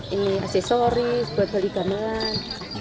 ini aksesoris buat balik gamelan